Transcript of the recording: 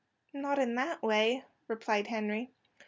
"Not in that way," replied Henry.